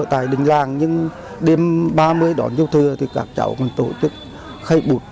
tại đỉnh làng nhưng đêm ba mươi đón dâu thừa thì các chậu còn tổ chức khai bút